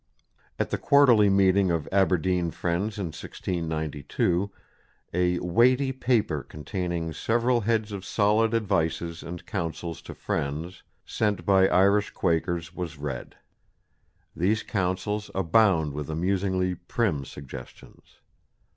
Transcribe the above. At the Quarterly Meeting of Aberdeen Friends in 1692 a "weighty paper containing several heads of solid advyces and Counsells to friends" sent by Irish Quakers, was read. These counsels abound with amusingly prim suggestions.